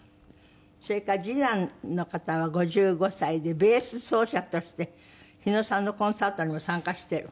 それから次男の方は５５歳でベース奏者として日野さんのコンサートにも参加している。